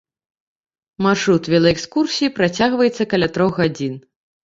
Маршрут велаэкскурсіі працягваецца каля трох гадзін.